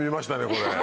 これ。